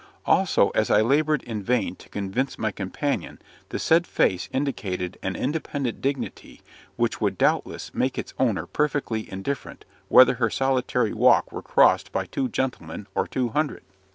Also, as I laboured in vain to convince my companion, the said face indicated an independent dignity which would doubtless make its owner perfectly indifferent whether her solitary walk were crossed by two gentlemen or two hundred.